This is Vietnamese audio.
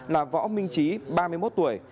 là võ minh trí ba mươi một tuổi